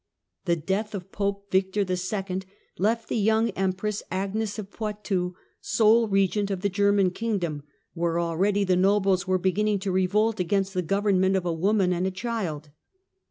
The death of Pope Victor II. left the young Empress, Agnes of Poitou, sole regent of the German kingdom, where already the nobles were beginning to revolt against the government of a woman and a child.